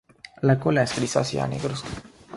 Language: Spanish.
La cola es grisácea a negruzca.